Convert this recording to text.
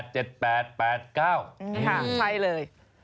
ใช่เลย